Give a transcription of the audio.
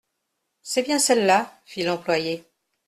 C'est bien celle-là, fit l'employé.